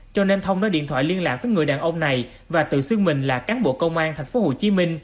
cho nên thông nói điện thoại liên lạc với người đàn ông này và tự xưng mình là cán bộ công an tp hcm